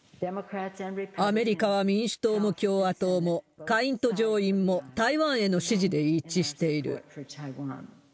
アメリカは民主党も共和党も、下院と上院も、台湾への支持で一致している。